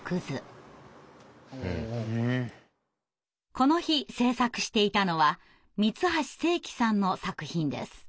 この日制作していたのは三橋精樹さんの作品です。